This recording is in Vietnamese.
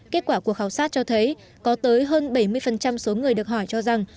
kết quả của khảo sát cho thấy có tới hơn bảy mươi số người được hỏi cho rằng